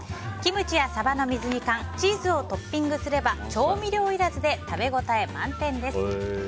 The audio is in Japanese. キムチやサバの水煮缶チーズをトッピングすれば調味料いらずで食べ応え満点です。